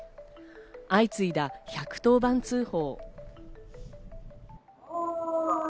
相次いだ１１０番通報。